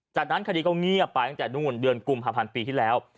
จากนั้นคดีก็เงียบไปตั้งแต่นู่นเดือนกุมภาพันธ์ปีที่แล้ว